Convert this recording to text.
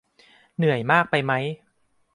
เหนื่อยมากไปไหม